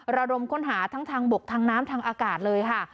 ระดมค้นหาทั้งทางบกทางน้ำทางอากาศเลยค่ะ